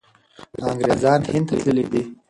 انګریزان هند ته تللي دي.